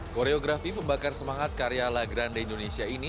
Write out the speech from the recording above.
koreografi pembakar semangat karya la grande indonesia ini